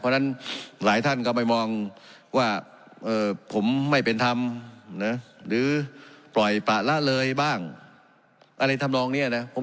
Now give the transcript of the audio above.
เพราะนั้นหลายท่านก็มามองว่าผมไม่เป็นธรรม